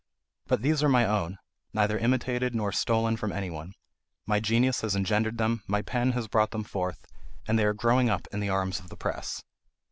But these are my own, neither imitated nor stolen from anyone; my genius has engendered them, my pen has brought them forth, and they are growing up in the arms of the press.